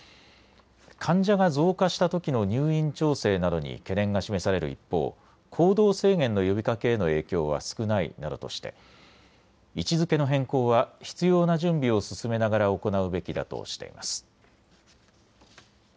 患者が増加したときの入院調整などに懸念が示される一方、行動制限の呼びかけへの影響は少ないなどとして位置づけの変更は必要な準備を進めながら行うべきだとしています。